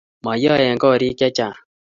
mayae eng korik chechang